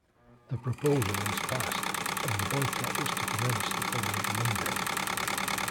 The proposal was passed, and the boycott was to commence the following Monday.